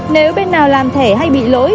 nếu bên nào làm thẻ hay bị lỗi